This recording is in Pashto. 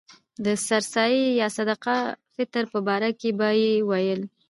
د سر سایې یا صدقه فطر په باره کې به یې ویل.